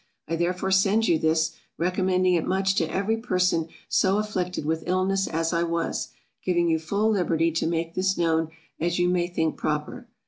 I therefore send you this, recommending it much to every person so afflicted with illness as I was, giving you full liberty to make this known as you may think proper.